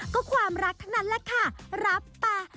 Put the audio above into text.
ก็ความรักทั้งนั้นแหละค่ะรับไป